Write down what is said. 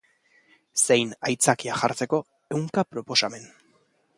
Zein aitzakia jartzeko ehunka proposamen.